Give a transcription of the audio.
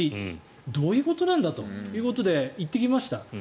どういうことなんだということで行ってきました。